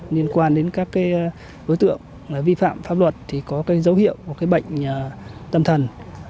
liên quan đến các hướng tượng vi phạm pháp luật có dấu hiệu bệnh tâm thần